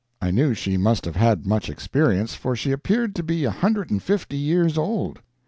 I knew she must have had much experience, for she appeared to be a hundred and fifty years old.